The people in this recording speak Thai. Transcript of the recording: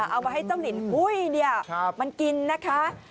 เอาไว้ให้เจ้าลินหุ้ยมันกินนะคะ